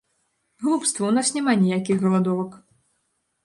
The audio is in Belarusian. Глупства, у нас няма ніякіх галадовак.